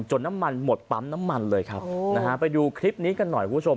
น้ำมันหมดปั๊มน้ำมันเลยครับนะฮะไปดูคลิปนี้กันหน่อยคุณผู้ชม